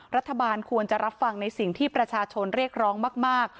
รัฐบาลควรจะรับฟังในสิ่งที่ประชาชนเรียกร้องมาก